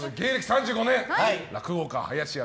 ３５年落語家・林家